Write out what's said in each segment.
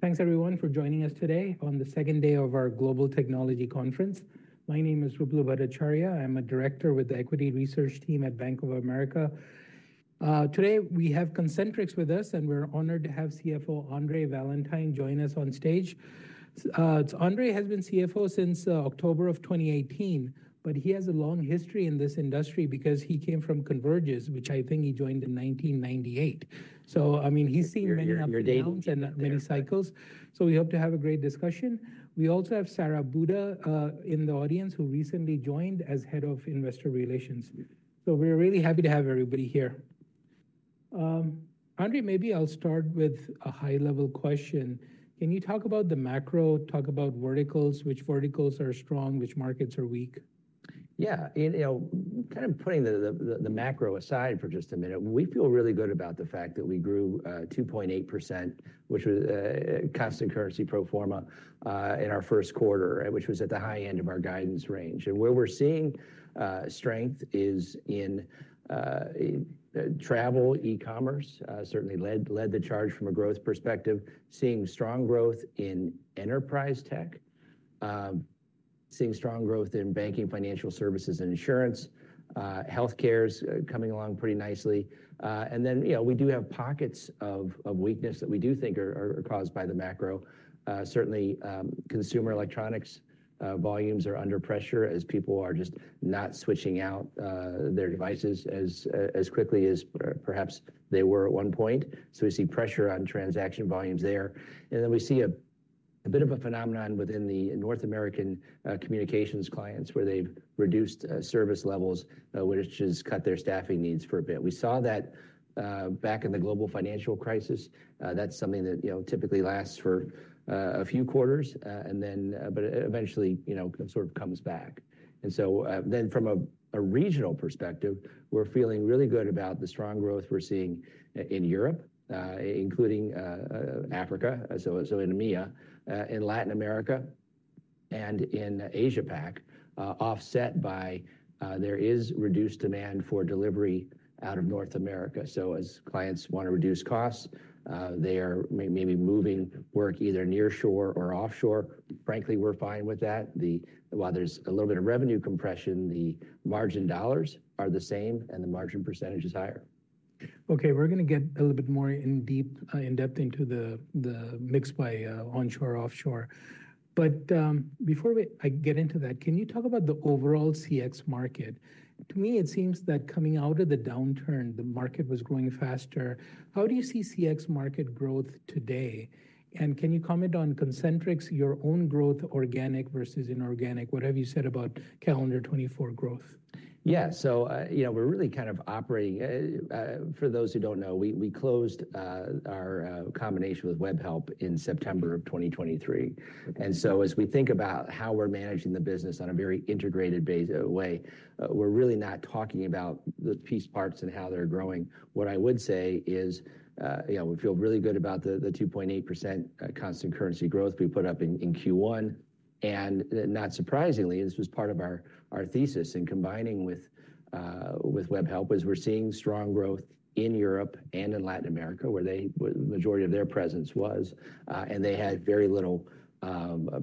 Thanks everyone for joining us today on the second day of our Global Technology Conference. My name is Ruplu Bhattacharya. I'm a director with the equity research team at Bank of America. Today, we have Concentrix with us, and we're honored to have CFO Andre Valentine join us on stage. So Andre has been CFO since October of 2018, but he has a long history in this industry because he came from Convergys, which I think he joined in 1998. So, I mean, he's seen many ups and downs- Your days. - and many cycles. So we hope to have a great discussion. We also have Sara Buda in the audience, who recently joined as head of investor relations. So we're really happy to have everybody here. Andre, maybe I'll start with a high-level question. Can you talk about the macro? Talk about verticals. Which verticals are strong? Which markets are weak? Yeah, and, you know, kind of putting the macro aside for just a minute, we feel really good about the fact that we grew 2.8%, which was constant currency pro forma in our first quarter, which was at the high end of our guidance range. And where we're seeing strength is in travel. E-commerce certainly led the charge from a growth perspective, seeing strong growth in enterprise tech, seeing strong growth in banking, financial services, and insurance. Healthcare is coming along pretty nicely. And then, you know, we do have pockets of weakness that we do think are caused by the macro. Certainly, consumer electronics volumes are under pressure as people are just not switching out their devices as quickly as perhaps they were at one point. So we see pressure on transaction volumes there. And then we see a bit of a phenomenon within the North American communications clients, where they've reduced service levels, which has cut their staffing needs for a bit. We saw that back in the global financial crisis. That's something that, you know, typically lasts for a few quarters, and then... but eventually, you know, sort of comes back. From a regional perspective, we're feeling really good about the strong growth we're seeing in Europe, including Africa, so in EMEA, in Latin America and in Asia-Pac, offset by there is reduced demand for delivery out of North America. So as clients want to reduce costs, they are maybe moving work either nearshore or offshore. Frankly, we're fine with that. While there's a little bit of revenue compression, the margin dollars are the same, and the margin percentage is higher. Okay, we're gonna get a little bit more in-depth into the mix by onshore, offshore. But before I get into that, can you talk about the overall CX market? To me, it seems that coming out of the downturn, the market was growing faster. How do you see CX market growth today, and can you comment on Concentrix, your own growth, organic versus inorganic, what have you said about calendar 2024 growth? Yeah. So, you know, we're really kind of operating. For those who don't know, we closed our combination with Webhelp in September of 2023. And so as we think about how we're managing the business on a very integrated base, way, we're really not talking about the piece parts and how they're growing. What I would say is, you know, we feel really good about the 2.8% constant currency growth we put up in Q1. And not surprisingly, this was part of our thesis in combining with Webhelp, is we're seeing strong growth in Europe and in Latin America, where the majority of their presence was. And they had very little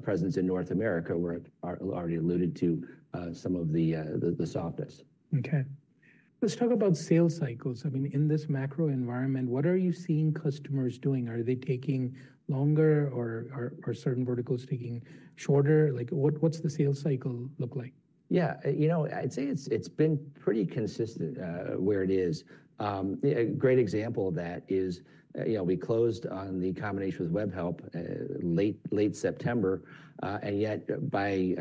presence in North America, where I already alluded to some of the softest. Okay. Let's talk about sales cycles. I mean, in this macro environment, what are you seeing customers doing? Are they taking longer, or are certain verticals taking shorter? Like, what, what's the sales cycle look like? Yeah, you know, I'd say it's, it's been pretty consistent, where it is. A great example of that is, you know, we closed on the combination with Webhelp, late, late September, and yet by,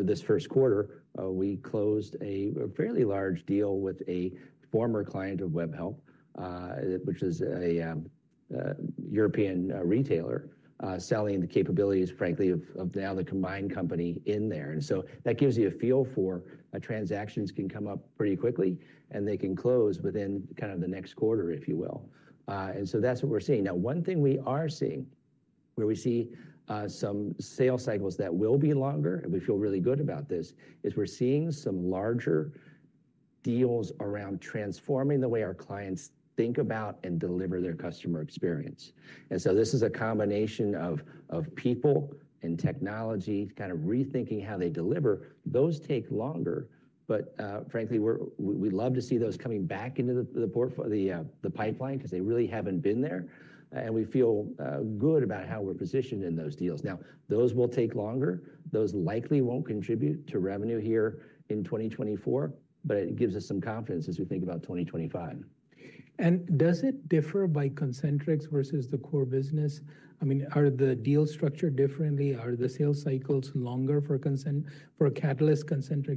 this first quarter, we closed a, a fairly large deal with a former client of Webhelp, which is a, a European, retailer, selling the capabilities, frankly, of, of now the combined company in there. And so that gives you a feel for, transactions can come up pretty quickly, and they can close within kind of the next quarter, if you will. And so that's what we're seeing. Now, one thing we are seeing, where we see some sales cycles that will be longer, and we feel really good about this, is we're seeing some larger deals around transforming the way our clients think about and deliver their customer experience. And so this is a combination of people and technology, kind of rethinking how they deliver. Those take longer, but frankly, we'd love to see those coming back into the pipeline, 'cause they really haven't been there, and we feel good about how we're positioned in those deals. Now, those will take longer. Those likely won't contribute to revenue here in 2024, but it gives us some confidence as we think about 2025. Does it differ by Concentrix versus the core business? I mean, are the deals structured differently? Are the sales cycles longer for Concentrix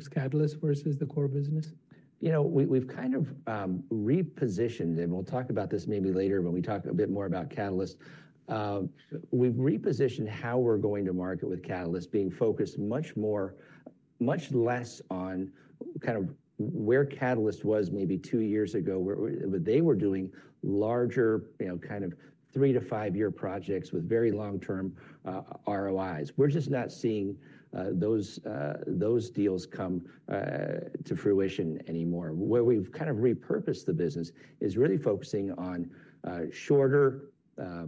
Catalyst versus the core business? You know, we've kind of repositioned, and we'll talk about this maybe later when we talk a bit more about Catalyst. We've repositioned how we're going to market with Catalyst being focused much less on kind of where Catalyst was maybe two years ago, where they were doing larger, you know, kind of 3-5-year projects with very long-term ROIs. We're just not seeing those deals come to fruition anymore. Where we've kind of repurposed the business is really focusing on shorter,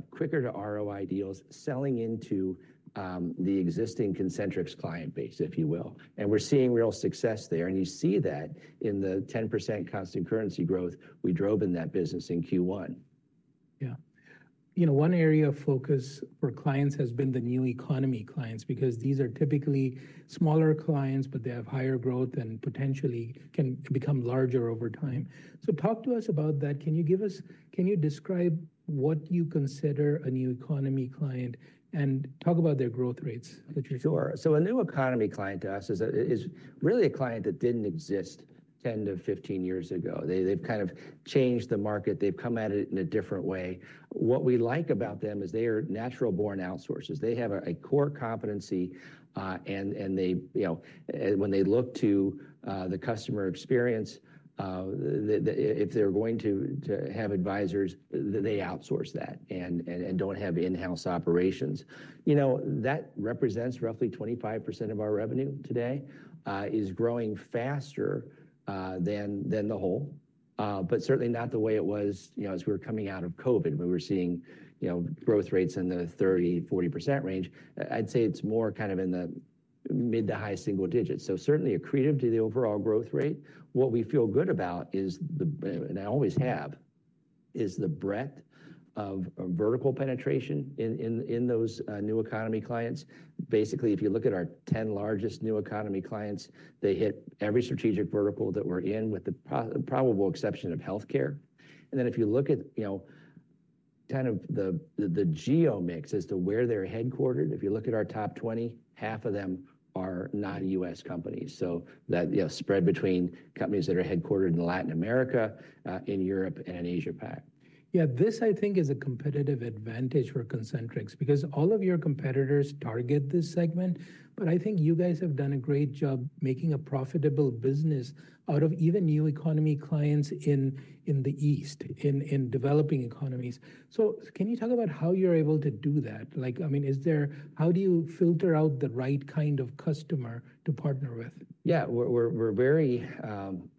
quicker to ROI deals, selling into the existing Concentrix client base, if you will. We're seeing real success there, and you see that in the 10% constant currency growth we drove in that business in Q1.... Yeah. You know, one area of focus for clients has been the new economy clients, because these are typically smaller clients, but they have higher growth and potentially can become larger over time. So talk to us about that. Can you describe what you consider a new economy client, and talk about their growth rates? Sure. So a new economy client to us is really a client that didn't exist 10-15 years ago. They, they've kind of changed the market. They've come at it in a different way. What we like about them is they are natural-born outsourcers. They have a core competency, and they, you know, when they look to the customer experience, if they're going to have advisors, they outsource that and don't have in-house operations. You know, that represents roughly 25% of our revenue today, is growing faster than the whole, but certainly not the way it was, you know, as we were coming out of COVID. We were seeing, you know, growth rates in the 30%-40% range. I'd say it's more kind of in the mid- to high-single digits. So certainly accretive to the overall growth rate. What we feel good about is the—and I always have—is the breadth of vertical penetration in those new economy clients. Basically, if you look at our 10 largest new economy clients, they hit every strategic vertical that we're in with the probable exception of healthcare. And then if you look at, you know, kind of the geo mix as to where they're headquartered, if you look at our top 20, half of them are not US companies. So that, you know, spread between companies that are headquartered in Latin America, in Europe, and Asia-Pac. Yeah, this, I think, is a competitive advantage for Concentrix, because all of your competitors target this segment. But I think you guys have done a great job making a profitable business out of even new economy clients in developing economies. So can you talk about how you're able to do that? Like, I mean, is there—how do you filter out the right kind of customer to partner with? Yeah, we're very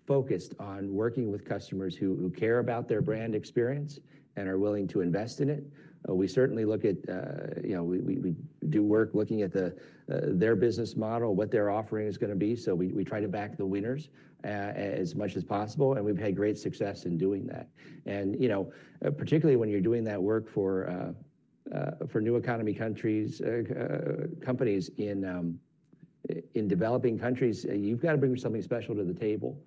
focused on working with customers who care about their brand experience and are willing to invest in it. We certainly look at, you know, we do work looking at their business model, what their offering is gonna be. So we try to back the winners as much as possible, and we've had great success in doing that. And, you know, particularly when you're doing that work for new economy companies in developing countries, you've got to bring something special to the table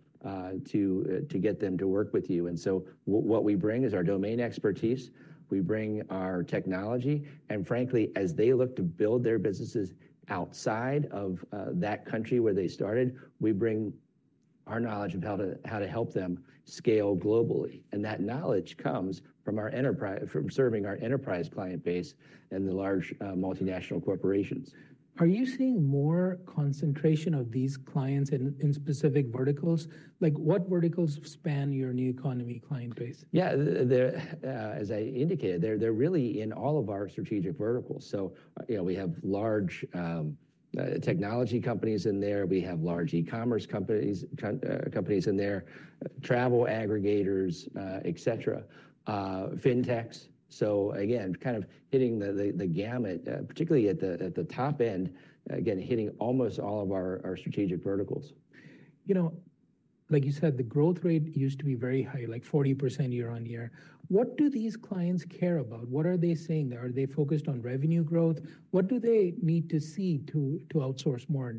to get them to work with you. And so what we bring is our domain expertise. We bring our technology, and frankly, as they look to build their businesses outside of that country where they started, we bring our knowledge of how to help them scale globally. And that knowledge comes from serving our enterprise client base and the large multinational corporations. Are you seeing more concentration of these clients in specific verticals? Like, what verticals span your new economy client base? Yeah, as I indicated, they're really in all of our strategic verticals. So, you know, we have large technology companies in there. We have large e-commerce companies, companies in there, travel aggregators, et cetera, fintechs. So again, kind of hitting the gamut, particularly at the top end, again, hitting almost all of our strategic verticals. You know, like you said, the growth rate used to be very high, like 40% year-over-year. What do these clients care about? What are they saying? Are they focused on revenue growth? What do they need to see to, to outsource more?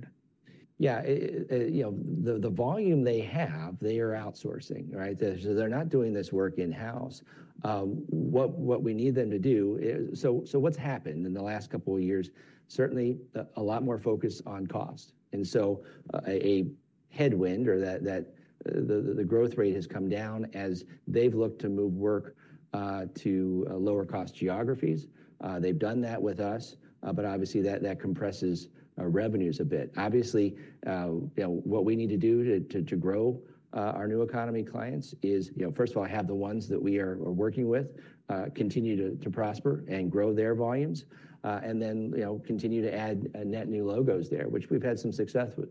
Yeah, you know, the volume they have, they are outsourcing, right? So they're not doing this work in-house. What we need them to do is... So what's happened in the last couple of years? Certainly, a lot more focus on cost. And so, a headwind or that, the growth rate has come down as they've looked to move work to lower-cost geographies. They've done that with us, but obviously, that compresses revenues a bit. Obviously, you know, what we need to do to grow our new economy clients is, you know, first of all, have the ones that we're working with continue to prosper and grow their volumes, and then, you know, continue to add net new logos there, which we've had some success with.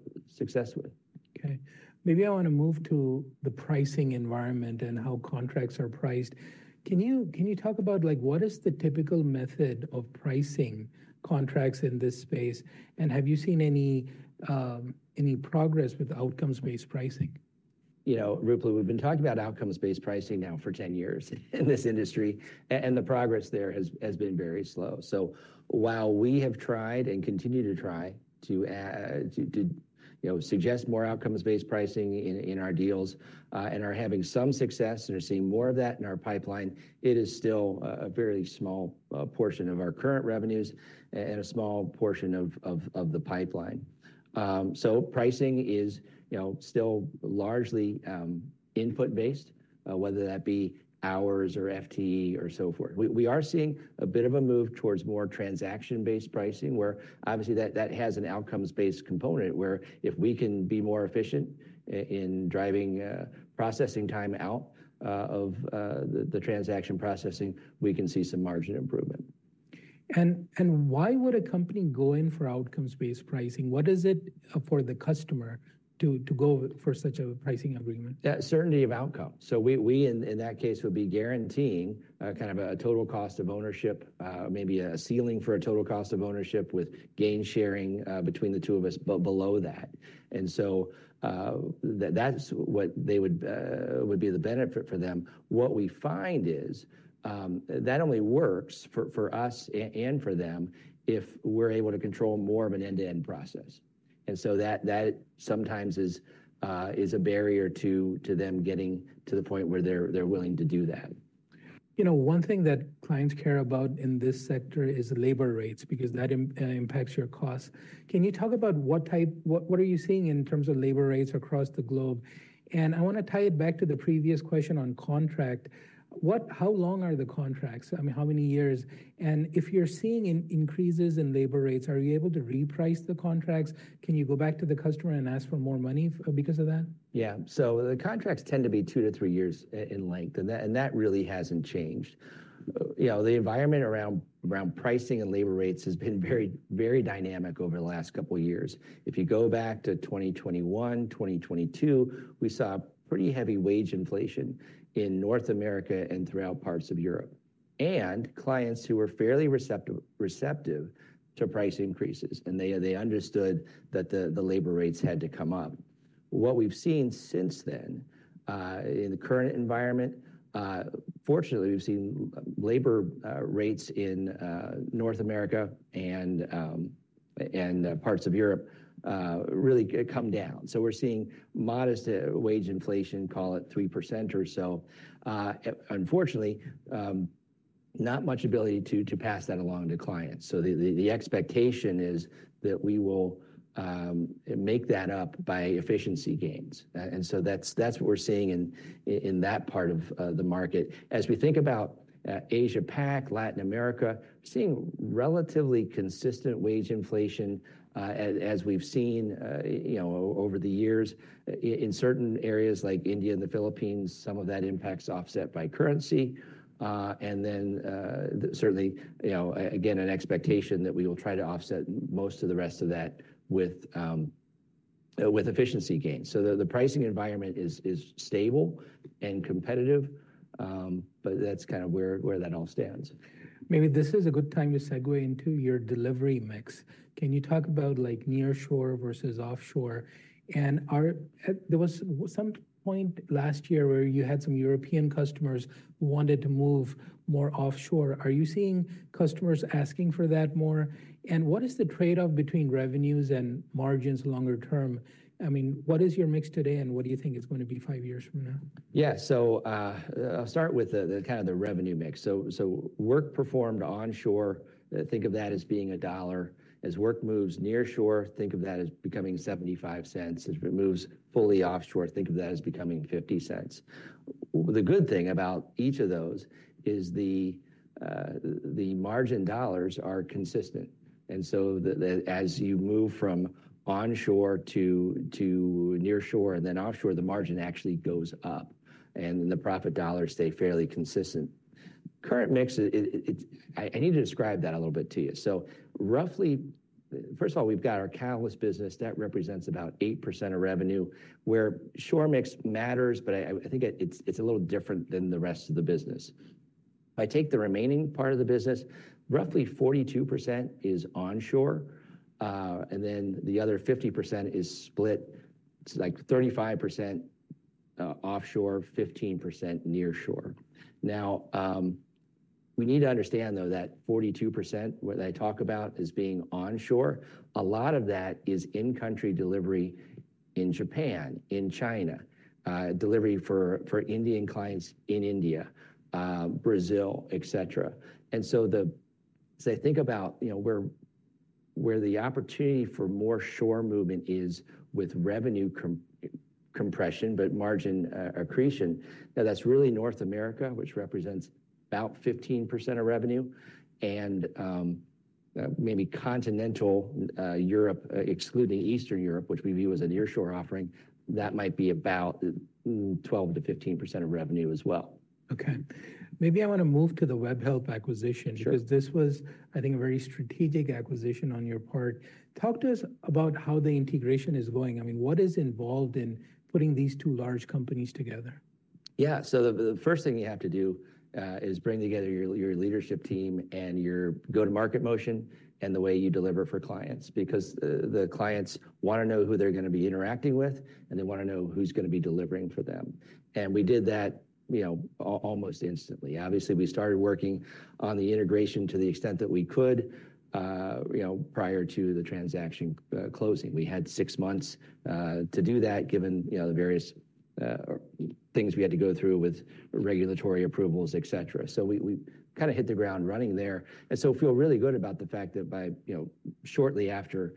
Okay. Maybe I want to move to the pricing environment and how contracts are priced. Can you talk about, like, what is the typical method of pricing contracts in this space? And have you seen any progress with outcomes-based pricing? You know, Ruplu, we've been talking about outcomes-based pricing now for 10 years in this industry, and the progress there has been very slow. So while we have tried and continue to try to, you know, suggest more outcomes-based pricing in our deals, and are having some success and are seeing more of that in our pipeline, it is still a very small portion of our current revenues and a small portion of the pipeline. So pricing is, you know, still largely input based, whether that be hours or FTE or so forth. We are seeing a bit of a move towards more transaction-based pricing, where obviously that has an outcomes-based component, where if we can be more efficient in driving processing time out of the transaction processing, we can see some margin improvement. And why would a company go in for outcomes-based pricing? What is it for the customer to go for such a pricing agreement? Certainty of outcome. So we in that case would be guaranteeing kind of a total cost of ownership, maybe a ceiling for a total cost of ownership with gain sharing between the two of us, but below that. And so that's what they would be the benefit for them. What we find is that only works for us and for them if we're able to control more of an end-to-end process. And so that sometimes is a barrier to them getting to the point where they're willing to do that.... You know, one thing that clients care about in this sector is labor rates, because that impacts your costs. Can you talk about what are you seeing in terms of labor rates across the globe? And I wanna tie it back to the previous question on contract. How long are the contracts? I mean, how many years? And if you're seeing increases in labor rates, are you able to reprice the contracts? Can you go back to the customer and ask for more money because of that? Yeah. So the contracts tend to be 2-3 years in length, and that really hasn't changed. You know, the environment around pricing and labor rates has been very, very dynamic over the last couple of years. If you go back to 2021, 2022, we saw pretty heavy wage inflation in North America and throughout parts of Europe, and clients who were fairly receptive, receptive to price increases, and they understood that the labor rates had to come up. What we've seen since then, in the current environment, fortunately, we've seen labor rates in North America and parts of Europe really come down. So we're seeing modest wage inflation, call it 3% or so. Unfortunately, not much ability to pass that along to clients. So the expectation is that we will make that up by efficiency gains. And so that's what we're seeing in that part of the market. As we think about Asia-Pac, Latin America, we're seeing relatively consistent wage inflation as we've seen you know over the years. In certain areas like India and the Philippines, some of that impact's offset by currency. And then certainly you know again an expectation that we will try to offset most of the rest of that with efficiency gains. So the pricing environment is stable and competitive, but that's kind of where that all stands. Maybe this is a good time to segue into your delivery mix. Can you talk about, like, nearshore versus offshore? And there was some point last year where you had some European customers who wanted to move more offshore. Are you seeing customers asking for that more? And what is the trade-off between revenues and margins longer term? I mean, what is your mix today, and what do you think it's going to be five years from now? Yeah. So, I'll start with the kind of the revenue mix. So work performed onshore, think of that as being $1. As work moves near shore, think of that as becoming $0.75. As it moves fully offshore, think of that as becoming $0.50. The good thing about each of those is the margin dollars are consistent, and so the—as you move from onshore to near shore and then offshore, the margin actually goes up, and the profit dollars stay fairly consistent. Current mix, it's—I need to describe that a little bit to you. So roughly. First of all, we've got our catalyst business. That represents about 8% of revenue, where shore mix matters, but I think it's a little different than the rest of the business. If I take the remaining part of the business, roughly 42% is onshore, and then the other 50% is split, it's like 35%, offshore, 15% nearshore. Now, we need to understand, though, that 42%, what I talk about as being onshore, a lot of that is in-country delivery in Japan, in China, delivery for Indian clients in India, Brazil, et cetera. And so the—so think about, you know, where, where the opportunity for more shore movement is with revenue compression, but margin accretion. Now, that's really North America, which represents about 15% of revenue, and, maybe Continental Europe, excluding Eastern Europe, which we view as a nearshore offering, that might be about 12-15% of revenue as well. Okay. Maybe I want to move to the Webhelp acquisition- Sure. because this was, I think, a very strategic acquisition on your part. Talk to us about how the integration is going. I mean, what is involved in putting these two large companies together? Yeah. So the first thing you have to do is bring together your leadership team and your go-to-market motion and the way you deliver for clients, because the clients wanna know who they're gonna be interacting with, and they wanna know who's gonna be delivering for them. And we did that, you know, almost instantly. Obviously, we started working on the integration to the extent that we could, you know, prior to the transaction closing. We had six months to do that, given, you know, the various things we had to go through with regulatory approvals, et cetera. So we kinda hit the ground running there, and so feel really good about the fact that by, you know, shortly after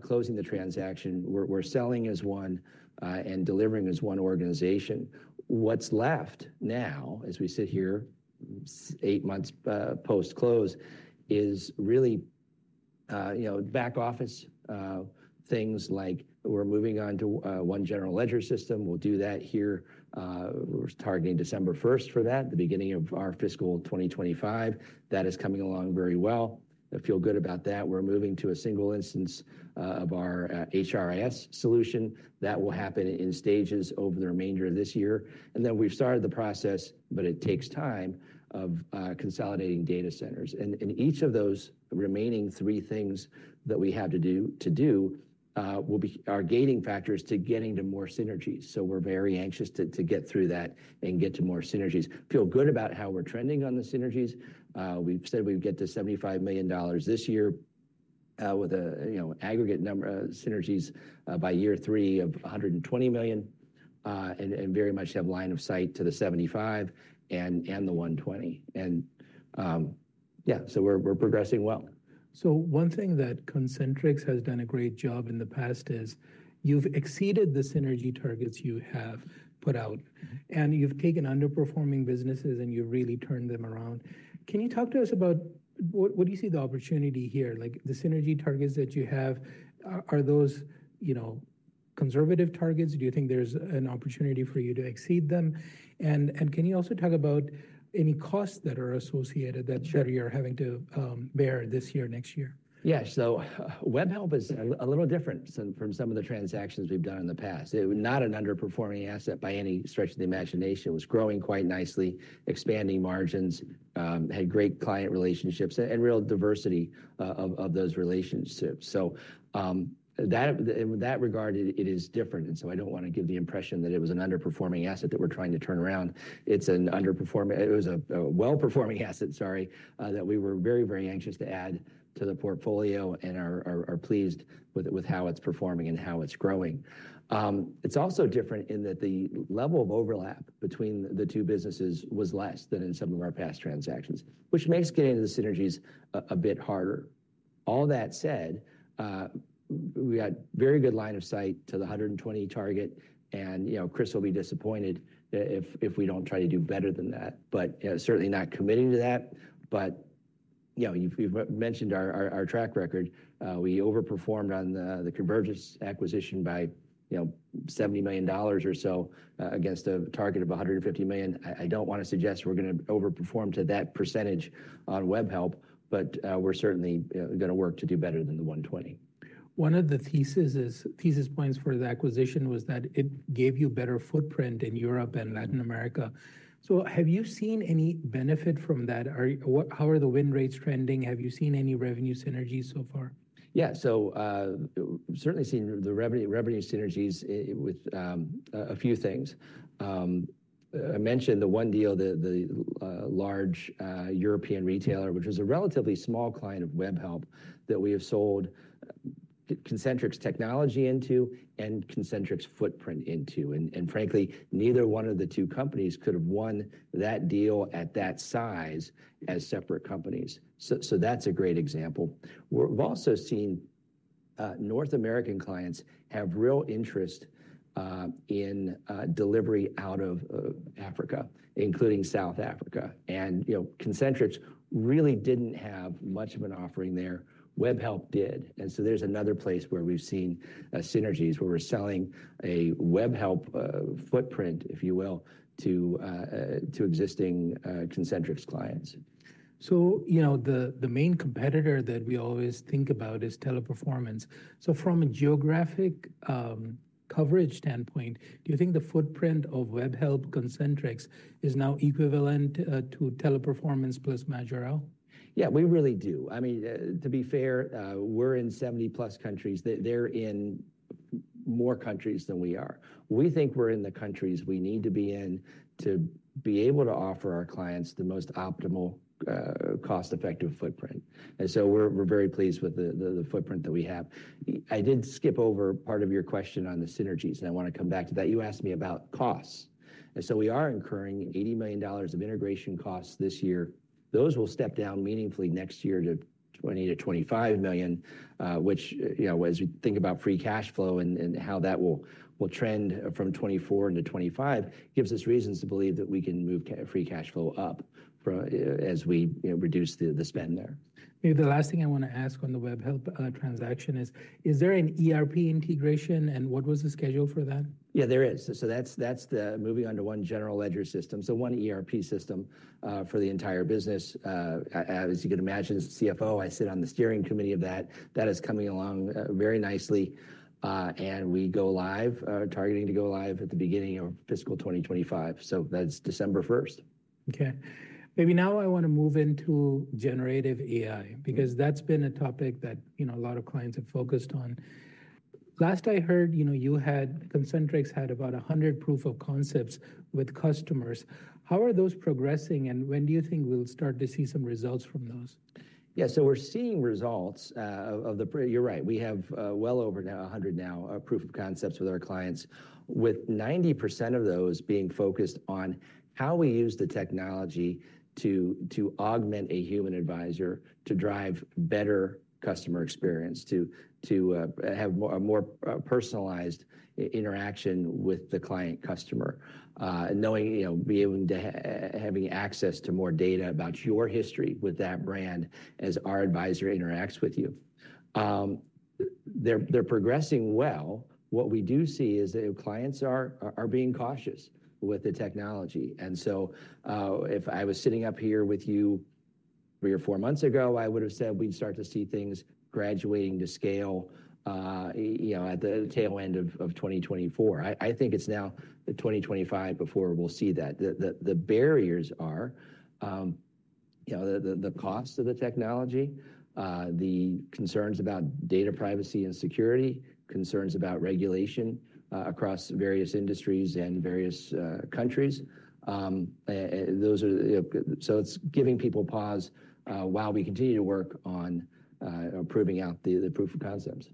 closing the transaction, we're selling as one and delivering as one organization. What’s left now, as we sit here 8 months post-close, is really, you know, back office things like we’re moving on to 1 general ledger system. We’ll do that here. We’re targeting December 1st for that, the beginning of our fiscal 2025. That is coming along very well. I feel good about that. We’re moving to a single instance of our HRIS solution. That will happen in stages over the remainder of this year. And then we’ve started the process, but it takes time, of consolidating data centers. And each of those remaining 3 things that we have to do are gating factors to getting to more synergies. So we’re very anxious to get through that and get to more synergies. Feel good about how we’re trending on the synergies. We've said we'd get to $75 million this year... with a, you know, aggregate number synergies by year three of $120 million, and very much have line of sight to the $75 million and the $120 million. Yeah, so we're progressing well. So one thing that Concentrix has done a great job in the past is you've exceeded the synergy targets you have put out, and you've taken underperforming businesses, and you really turned them around. Can you talk to us about what, what do you see the opportunity here? Like, the synergy targets that you have, are, are those, you know, conservative targets? Do you think there's an opportunity for you to exceed them? And, and can you also talk about any costs that are associated that- Sure - you're having to bear this year, next year? Yeah. So, Webhelp is a little different than from some of the transactions we've done in the past. It was not an underperforming asset by any stretch of the imagination. It was growing quite nicely, expanding margins, had great client relationships and real diversity of those relationships. So, in that regard, it is different, and so I don't wanna give the impression that it was an underperforming asset that we're trying to turn around. It was a well-performing asset, sorry, that we were very, very anxious to add to the portfolio and are pleased with how it's performing and how it's growing. It's also different in that the level of overlap between the two businesses was less than in some of our past transactions, which makes getting to the synergies a bit harder. All that said, we had very good line of sight to the 120 target, and, you know, Chris will be disappointed if we don't try to do better than that. But certainly not committing to that. But, you know, you've mentioned our track record. We overperformed on the Convergys acquisition by, you know, $70 million or so against a target of $150 million. I don't wanna suggest we're gonna overperform to that percentage on Webhelp, but we're certainly gonna work to do better than the 120. One of the thesis points for the acquisition was that it gave you better footprint in Europe and Latin America. So have you seen any benefit from that? Are what, how are the win rates trending? Have you seen any revenue synergies so far? Yeah. So, certainly seen the revenue, revenue synergies with a few things. I mentioned the one deal, the large European retailer, which was a relatively small client of Webhelp, that we have sold Concentrix technology into and Concentrix footprint into. And frankly, neither one of the two companies could have won that deal at that size as separate companies. So that's a great example. We've also seen North American clients have real interest in delivery out of Africa, including South Africa. And, you know, Concentrix really didn't have much of an offering there. Webhelp did. And so there's another place where we've seen synergies, where we're selling a Webhelp footprint, if you will, to existing Concentrix clients. So, you know, the main competitor that we always think about is Teleperformance. So from a geographic coverage standpoint, do you think the footprint of Webhelp Concentrix is now equivalent to Teleperformance plus Majorel? Yeah, we really do. I mean, to be fair, we're in 70+ countries. They, they're in more countries than we are. We think we're in the countries we need to be in to be able to offer our clients the most optimal, cost-effective footprint. And so we're, we're very pleased with the, the, the footprint that we have. I did skip over part of your question on the synergies, and I wanna come back to that. You asked me about costs, and so we are incurring $80 million of integration costs this year. Those will step down meaningfully next year to $20 million-$25 million, which, you know, as you think about free cash flow and how that will trend from 2024 into 2025, gives us reasons to believe that we can move free cash flow up as we reduce the spend there. Maybe the last thing I wanna ask on the Webhelp transaction is: Is there an ERP integration, and what was the schedule for that? Yeah, there is. So that's, that's the moving onto one general ledger system, so one ERP system, for the entire business. As you can imagine, as CFO, I sit on the steering committee of that. That is coming along, very nicely, and we go live, targeting to go live at the beginning of fiscal 2025, so that's December 1st. Okay. Maybe now I wanna move generative AI, because that's been a topic that, you know, a lot of clients have focused on. Last I heard, you know, you had Concentrix had about 100 proof of concepts with customers. How are those progressing, and when do you think we'll start to see some results from those? Yeah, so we're seeing results of the... You're right. We have well over now 100 now proof of concepts with our clients, with 90% of those being focused on how we use the technology to augment a human advisor to drive better customer experience, to have a more personalized interaction with the client customer. Knowing, you know, being able to have access to more data about your history with that brand as our advisor interacts with you. They're progressing well. What we do see is that clients are being cautious with the technology. So, if I was sitting up here with you three or four months ago, I would have said we'd start to see things graduating to scale, you know, at the tail end of 2024. I think it's now 2025 before we'll see that. The barriers are, you know, the cost of the technology, the concerns about data privacy and security, concerns about regulation, across various industries and various countries. And those are so it's giving people pause, while we continue to work on proving out the proof of concepts.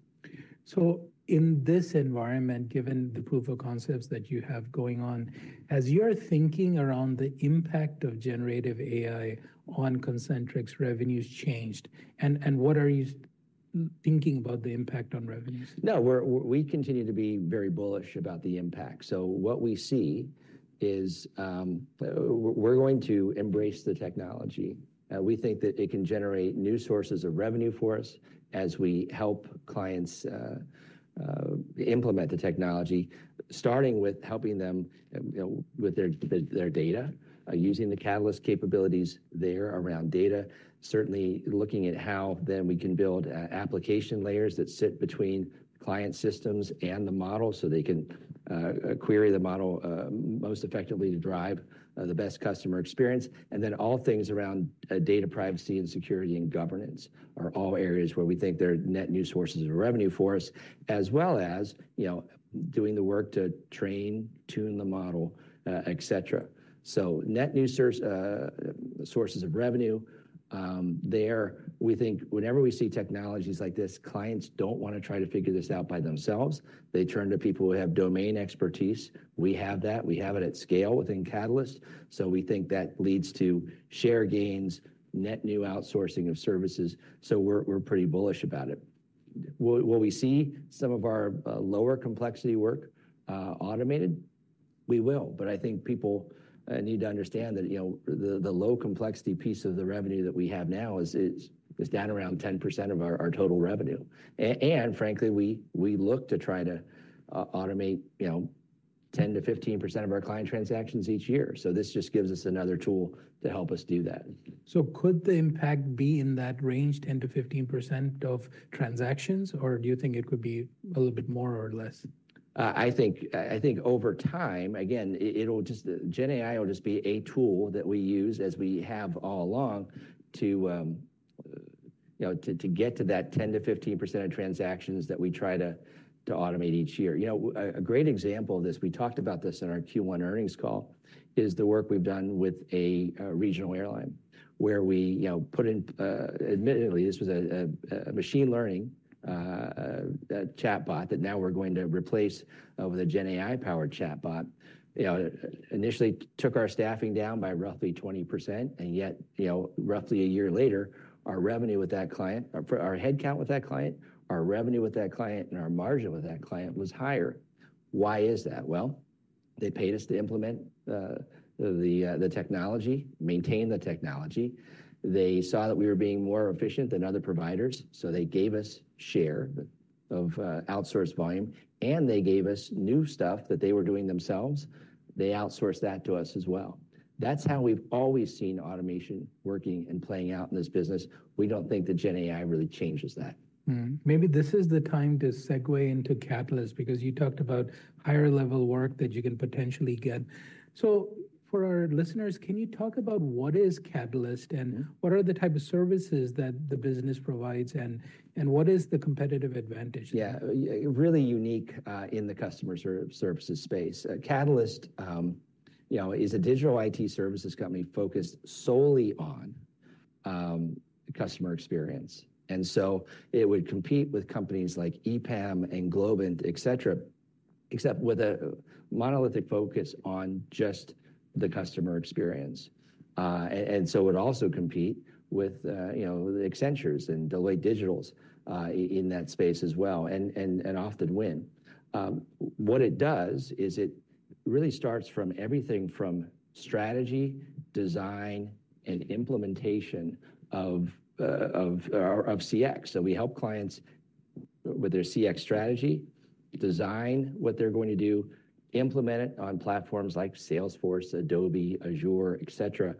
So in this environment, given the proof of concepts that you have going on, has your thinking around the impact generative AI on Concentrix revenues changed? And, what are you thinking about the impact on revenues? No, we continue to be very bullish about the impact. So what we see is, we're going to embrace the technology. We think that it can generate new sources of revenue for us as we help clients implement the technology, starting with helping them, you know, with their data using the Catalyst capabilities there around data. Certainly, looking at how then we can build application layers that sit between client systems and the model, so they can query the model most effectively to drive the best customer experience. And then all things around data privacy and security and governance are all areas where we think there are net new sources of revenue for us, as well as, you know, doing the work to train, tune the model, et cetera. So net new source, sources of revenue, there, we think whenever we see technologies like this, clients don't want to try to figure this out by themselves. They turn to people who have domain expertise. We have that. We have it at scale within Catalyst, so we think that leads to share gains, net new outsourcing of services, so we're pretty bullish about it. Will we see some of our lower complexity work automated? We will, but I think people need to understand that, you know, the low complexity piece of the revenue that we have now is down around 10% of our total revenue. And frankly, we look to try to automate, you know, 10%-15% of our client transactions each year. So this just gives us another tool to help us do that. Could the impact be in that range, 10%-15% of transactions, or do you think it could be a little bit more or less? I think, I think over time, again, it, it'll just... Gen AI will just be a tool that we use as we have all along, to, you know, to, to get to that 10%-15% of transactions that we try to, to automate each year. You know, a great example of this, we talked about this in our Q1 earnings call, is the work we've done with a regional airline, where we, you know, put in, admittedly, this was a machine learning chatbot that now we're going to replace with a Gen AI-powered chatbot. You know, initially, took our staffing down by roughly 20%, and yet, you know, roughly a year later, our revenue with that client—our, our headcount with that client, our revenue with that client, and our margin with that client was higher. Why is that? Well, they paid us to implement the, the technology, maintain the technology. They saw that we were being more efficient than other providers, so they gave us share of outsourced volume, and they gave us new stuff that they were doing themselves. They outsourced that to us as well. That's how we've always seen automation working and playing out in this business. We don't think that Gen AI really changes that. Mm-hmm. Maybe this is the time to segue into Catalyst, because you talked about higher level work that you can potentially get. So for our listeners, can you talk about what is Catalyst, and what are the type of services that the business provides, and what is the competitive advantage? Yeah. Yeah, really unique in the customer services space. Catalyst, you know, is a digital IT services company focused solely on customer experience. And so it would compete with companies like EPAM and Globant, et cetera, except with a monolithic focus on just the customer experience. And so it would also compete with, you know, the Accenture and Deloitte Digital in that space as well, and often win. What it does is it really starts from everything from strategy, design, and implementation of CX. So we help clients with their CX strategy, design what they're going to do, implement it on platforms like Salesforce, Adobe, Azure, et cetera.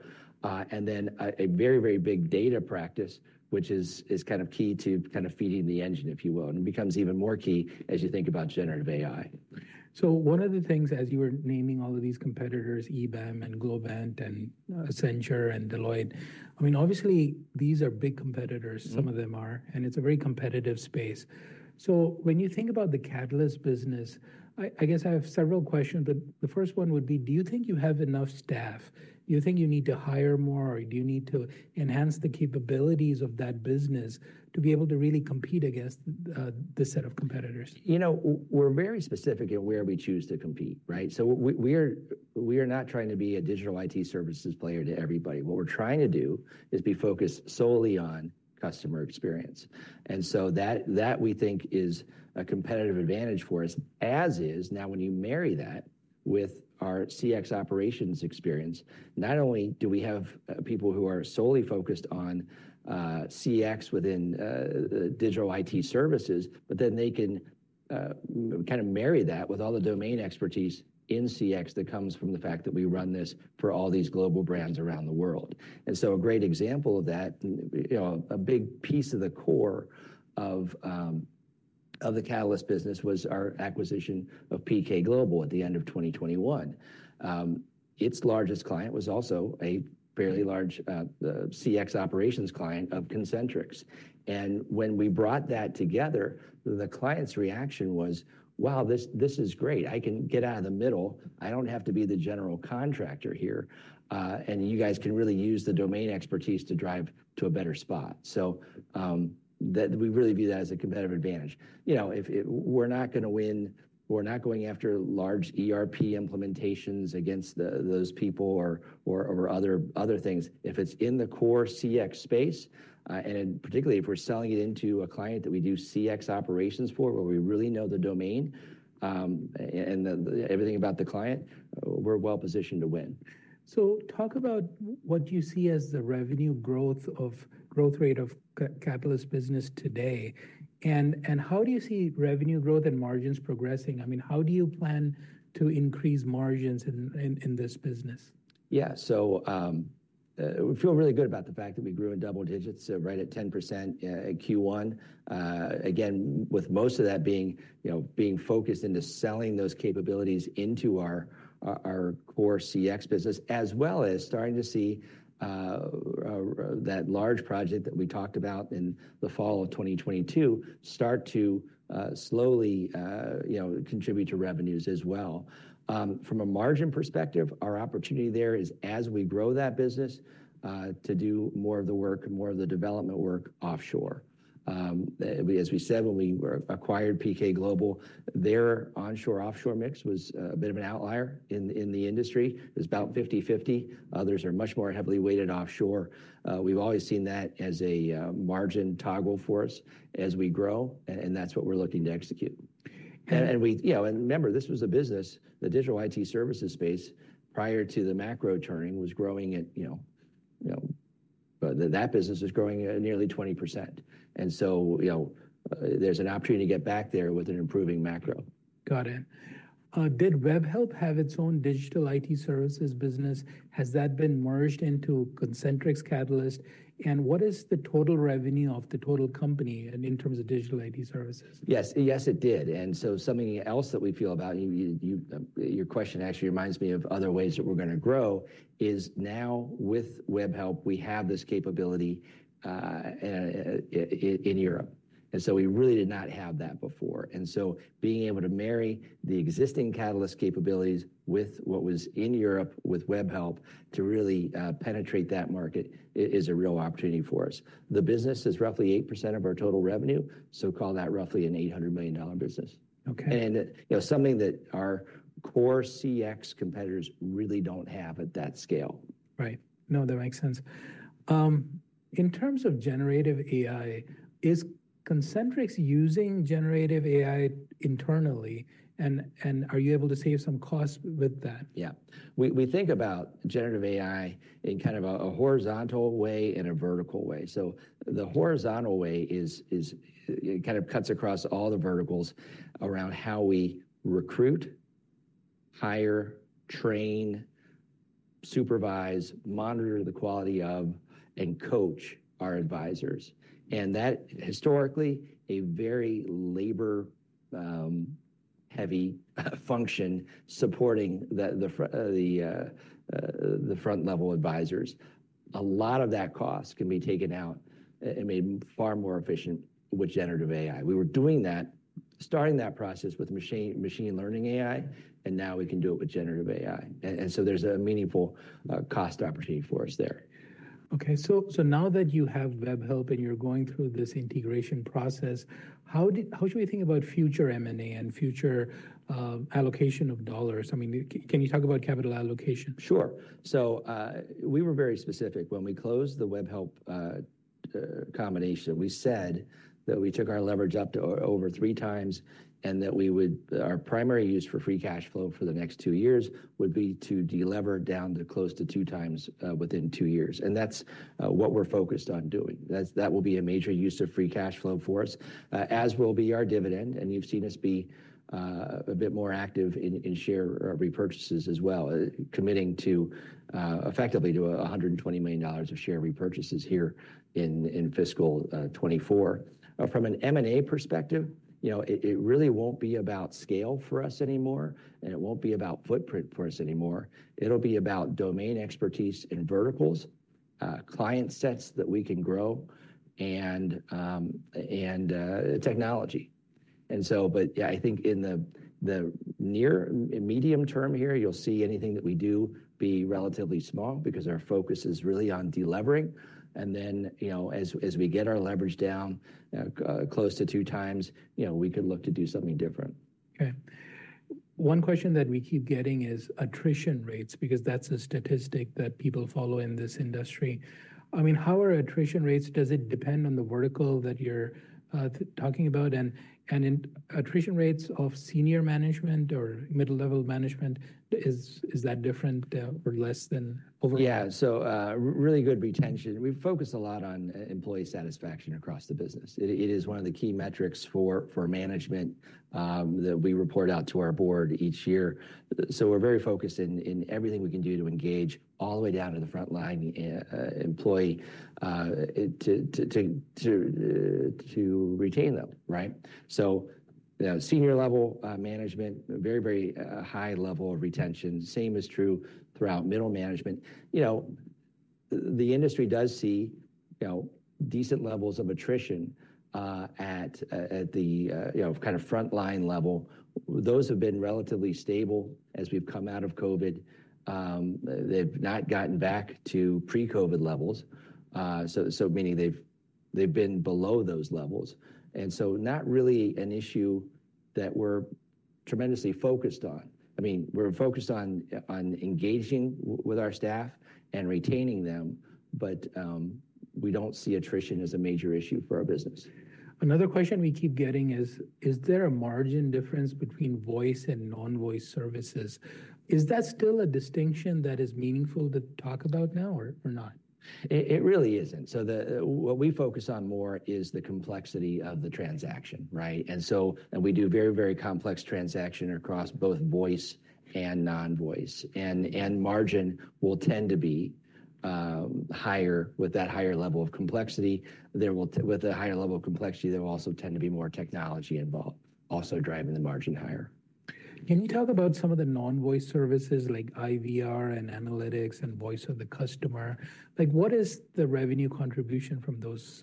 And then a very, very big data practice, which is kind of key to kind of feeding the engine, if you will, and becomes even more key as you think about generative AI. So one of the things, as you were naming all of these competitors, EPAM and Globant and Accenture and Deloitte, I mean, obviously, these are big competitors- Mm... some of them are, and it's a very competitive space. So when you think about the Catalyst business, I, I guess I have several questions, but the first one would be: Do you think you have enough staff? Do you think you need to hire more, or do you need to enhance the capabilities of that business to be able to really compete against, this set of competitors? You know, we're very specific at where we choose to compete, right? So we're, we are not trying to be a digital IT services player to everybody. What we're trying to do is be focused solely on customer experience. And so that, that we think is a competitive advantage for us, as is... Now, when you marry that with our CX operations experience, not only do we have people who are solely focused on CX within digital IT services, but then they can kind of marry that with all the domain expertise in CX that comes from the fact that we run this for all these global brands around the world. And so a great example of that, you know, a big piece of the core of the Catalyst business was our acquisition of PK Global at the end of 2021. Its largest client was also a fairly large CX operations client of Concentrix. And when we brought that together, the client's reaction was: "Wow, this, this is great. I can get out of the middle. I don't have to be the general contractor here, and you guys can really use the domain expertise to drive to a better spot." So, that we really view that as a competitive advantage. You know, if we're not gonna win, we're not going after large ERP implementations against those people or other things. If it's in the core CX space, and particularly if we're selling it into a client that we do CX operations for, where we really know the domain, and the everything about the client, we're well-positioned to win. So talk about what you see as the revenue growth rate of Catalyst business today, and how do you see revenue growth and margins progressing? I mean, how do you plan to increase margins in this business? Yeah. So, we feel really good about the fact that we grew in double digits, so right at 10%, in Q1. Again, with most of that being, you know, being focused into selling those capabilities into our core CX business, as well as starting to see that large project that we talked about in the fall of 2022 start to slowly, you know, contribute to revenues as well. From a margin perspective, our opportunity there is, as we grow that business, to do more of the work, more of the development work offshore. As we said, when we acquired PK Global, their onshore-offshore mix was a bit of an outlier in the industry. It was about 50/50. Others are much more heavily weighted offshore. We've always seen that as a margin toggle for us as we grow, and that's what we're looking to execute. And we—you know, and remember, this was a business, the digital IT services space, prior to the macro turning, was growing at nearly 20%. That business is growing at nearly 20%. And so, you know, there's an opportunity to get back there with an improving macro. Got it. Did Webhelp have its own digital IT services business? Has that been merged into Concentrix Catalyst? And what is the total revenue of the total company in terms of digital IT services? Yes, yes, it did. And so something else that we feel about, your question actually reminds me of other ways that we're gonna grow, is now, with Webhelp, we have this capability, in Europe, and so we really did not have that before. And so being able to marry the existing Catalyst capabilities with what was in Europe with Webhelp, to really, penetrate that market, is a real opportunity for us. The business is roughly 8% of our total revenue, so call that roughly an $800 million business. Okay. You know, something that our core CX competitors really don't have at that scale. Right. No, that makes sense. In terms generative AI, is Concentrix generative AI internally, and, and are you able to save some costs with that? Yeah. We think generative AI in kind of a horizontal way and a vertical way. So the horizontal way is. It kind of cuts across all the verticals around how we recruit, hire, train, supervise, monitor the quality of, and coach our advisors. And that, historically, a very labor-heavy function supporting the front-level advisors. A lot of that cost can be taken out and made far more efficient generative AI. we were doing that, starting that process with machine learning AI, and now we can do it generative AI. and so there's a meaningful cost opportunity for us there. Okay, so now that you have Webhelp and you're going through this integration process, how should we think about future M&A and future allocation of dollars? I mean, can you talk about capital allocation? Sure. So, we were very specific. When we closed the Webhelp combination, we said that we took our leverage up to over 3x and that our primary use for free cash flow for the next two years would be to delever down to close to 2x within two years, and that's what we're focused on doing. That will be a major use of free cash flow for us, as will be our dividend, and you've seen us be a bit more active in share repurchases as well, committing to effectively $120 million of share repurchases here in fiscal 2024. From an M&A perspective, you know, it really won't be about scale for us anymore, and it won't be about footprint for us anymore. It'll be about domain expertise in verticals, client sets that we can grow, and technology. But yeah, I think in the near and medium term here, you'll see anything that we do be relatively small because our focus is really on delevering. And then, you know, as we get our leverage down, close to two times, you know, we could look to do something different. Okay. One question that we keep getting is attrition rates, because that's a statistic that people follow in this industry. I mean, how are attrition rates? Does it depend on the vertical that you're talking about? And in attrition rates of senior management or middle-level management, is that different, or less than overall? Yeah, so, really good retention. We focus a lot on employee satisfaction across the business. It is one of the key metrics for management that we report out to our board each year. So we're very focused in everything we can do to engage all the way down to the frontline employee to retain them, right? You know, senior level management, very high level of retention. Same is true throughout middle management. You know, the industry does see, you know, decent levels of attrition at the, you know, kind of frontline level. Those have been relatively stable as we've come out of COVID. They've not gotten back to pre-COVID levels. So meaning they've been below those levels, and so not really an issue that we're tremendously focused on. I mean, we're focused on engaging with our staff and retaining them, but we don't see attrition as a major issue for our business. Another question we keep getting is: Is there a margin difference between voice and non-voice services? Is that still a distinction that is meaningful to talk about now, or, or not? It really isn't. So what we focus on more is the complexity of the transaction, right? And we do very, very complex transaction across both voice and non-voice. And margin will tend to be higher with that higher level of complexity. With a higher level of complexity, there will also tend to be more technology involved, also driving the margin higher. Can you talk about some of the non-voice services like IVR and analytics and voice of the customer? Like, what is the revenue contribution from those?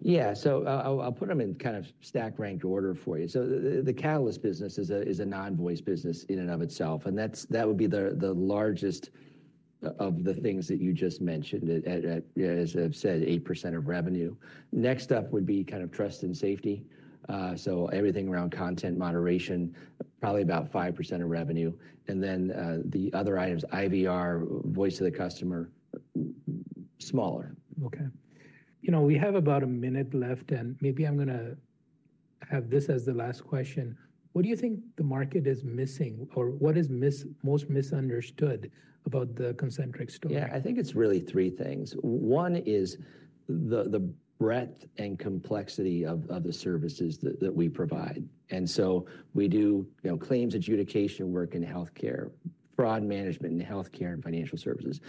Yeah. So I'll put them in kind of stack-ranked order for you. So the Catalyst business is a non-voice business in and of itself, and that's that would be the largest of the things that you just mentioned. It, yeah, as I've said, 8% of revenue. Next up would be kind of trust and safety. So everything around content moderation, probably about 5% of revenue. And then the other items, IVR, voice of the customer, smaller. Okay. You know, we have about a minute left, and maybe I'm gonna have this as the last question. What do you think the market is missing, or what is most misunderstood about the Concentrix story? Yeah, I think it's really three things. One is the breadth and complexity of the services that we provide. And so we do, you know, claims adjudication work in healthcare, fraud management in healthcare and financial services,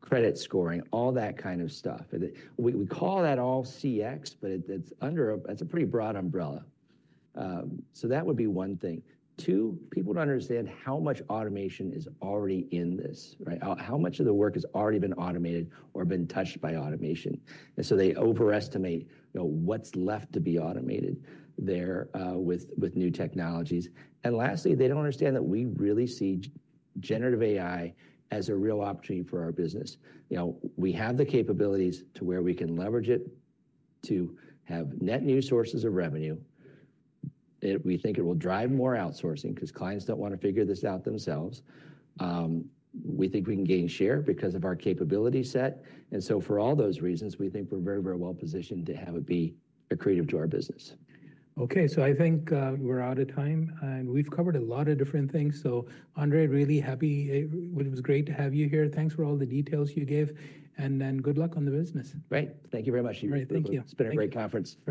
credit scoring, all that kind of stuff. And we call that all CX, but it's under a pretty broad umbrella. So that would be one thing. Two, people don't understand how much automation is already in this, right? How much of the work has already been automated or been touched by automation. And so they overestimate, you know, what's left to be automated there, with new technologies. And lastly, they don't understand that we really generative AI as a real opportunity for our business. You know, we have the capabilities to where we can leverage it to have net new sources of revenue. We think it will drive more outsourcing 'cause clients don't wanna figure this out themselves. We think we can gain share because of our capability set. And so for all those reasons, we think we're very, very well positioned to have it be accretive to our business. Okay, so I think, we're out of time, and we've covered a lot of different things. So Andre, really happy. It was great to have you here. Thanks for all the details you gave, and then good luck on the business. Great. Thank you very much. All right. Thank you. It's been a great conference.